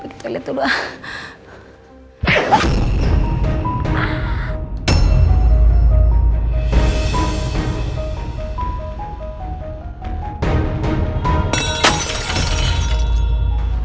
kita lihat dulu ah